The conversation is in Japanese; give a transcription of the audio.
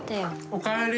おかえり！